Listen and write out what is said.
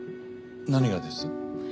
何がです？